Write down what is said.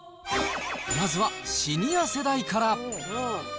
まずはシニア世代から。